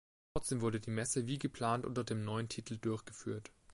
Trotzdem wurde die Messe wie geplant unter dem neuen Titel durchgeführt.